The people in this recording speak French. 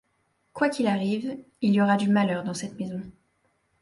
Quoi qu’il arrive, il y aura du malheur dans cette maison.